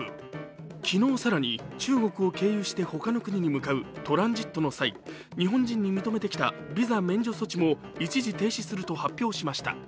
昨日、更に中国を経由して他の国に向かうトランジットの際、日本人に認めてきたビザ免除措置も一時停止すると発表しました。